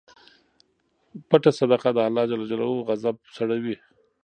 پټه صدقه د اللهﷻ غضب سړوي.